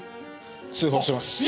通報します。